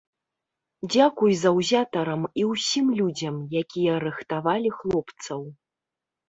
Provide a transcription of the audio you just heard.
Дзякуй заўзятарам і ўсім людзям, якія рыхтавалі хлопцаў.